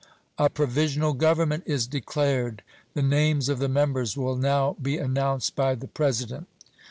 a provisional government is declared! The names of the members will now be announced by the President!"